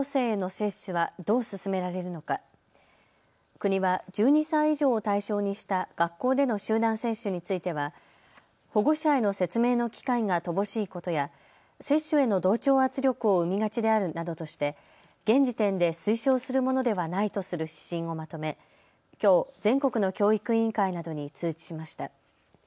国は１２歳以上を対象にした学校での集団接種については保護者への説明の機会が乏しいことや接種への同調圧力を生みがちであるなどとして現時点で推奨するものではないとする指針をまとめきょう全国の教育委員会などに通知しました。